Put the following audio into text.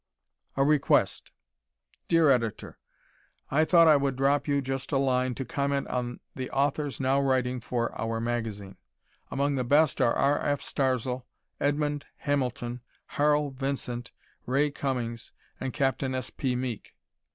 A Request Dear Editor: I thought I would drop you just a line to comment on the authors now writing for "our" magazine. Among the best are: R. F. Starzl, Edmond Hamilton, Harl Vincent, Ray Cummings and Captain S. P. Meek.